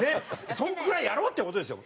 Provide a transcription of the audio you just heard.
そのぐらいやろうって事ですよ